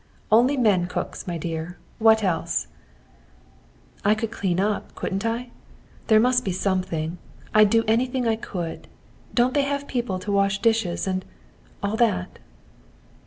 "Only men cooks, my dear. What else?" "I could clean up, couldn't I? There must be something. I'd do anything I could. Don't they have people to wash dishes and all that?"